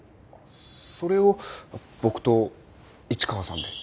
それを僕と市川さんで？